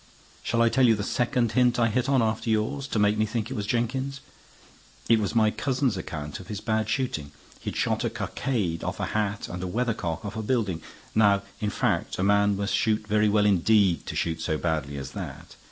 Shall I tell you the second hint I hit on, after yours, to make me think it was Jenkins? It was my cousin's account of his bad shooting. He'd shot a cockade off a hat and a weathercock off a building. Now, in fact, a man must shoot very well indeed to shoot so badly as that.